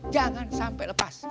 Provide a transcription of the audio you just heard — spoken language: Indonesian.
jangan sampai lepas